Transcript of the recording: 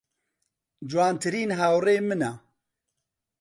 جوانترین هاوڕێی منە.